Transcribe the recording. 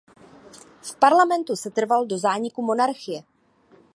V parlamentu setrval do zániku monarchie.